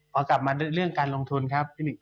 พอกลับมาด้วยเรื่องการลงทุนครับ